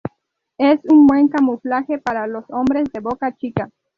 Es un buen camuflaje para los hombres de boca chica.